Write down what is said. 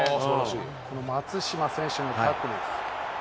松島選手のタックル。